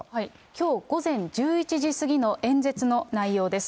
きょう午前１１時過ぎの演説の内容です。